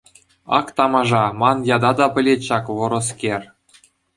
Ак тамаша, ман ята та пӗлет ҫак вӑрӑскер.